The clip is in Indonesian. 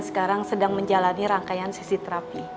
dan sekarang sedang menjalani rangkaian sesi terapi